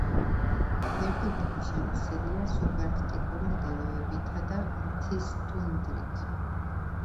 ფერდობები შემოსილია სუბარქტიკული მდელოებითა და მთის ტუნდრით.